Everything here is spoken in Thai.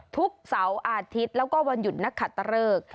ทุกเสาร์อาทิตย์แล้วก็วันหยุดนักขัตตะเริก